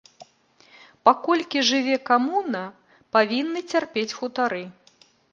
Паколькі жыве камуна, павінны цярпець хутары.